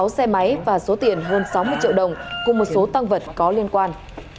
sáu xe máy và số tiền hơn sáu mươi triệu đồng cùng một số tăng vật có liên quan